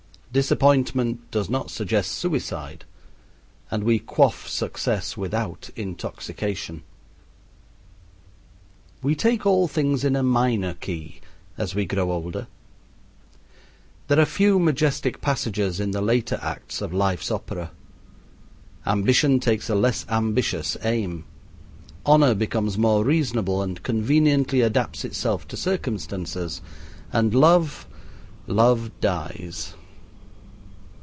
Disappointment does not suggest suicide, and we quaff success without intoxication. We take all things in a minor key as we grow older. There are few majestic passages in the later acts of life's opera. Ambition takes a less ambitious aim. Honor becomes more reasonable and conveniently adapts itself to circumstances. And love love dies.